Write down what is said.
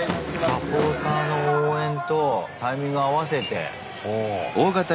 サポーターの応援とタイミング合わせて。